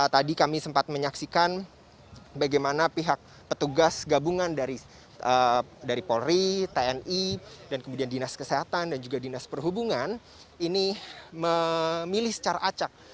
tadi kami sempat menyaksikan bagaimana pihak petugas gabungan dari polri tni dan kemudian dinas kesehatan dan juga dinas perhubungan ini memilih secara acak